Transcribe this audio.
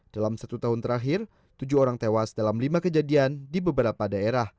dalam satu tahun terakhir tujuh orang tewas dalam lima kejadian di beberapa daerah